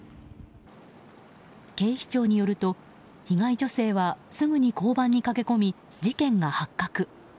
警視庁によると、被害女性はすぐに交番に駆け込み事件が発覚。